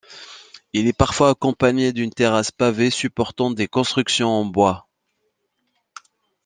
Il est parfois accompagné d'une terrasse pavée supportant des constructions en bois.